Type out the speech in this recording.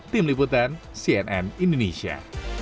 tim liputan cnn indonesia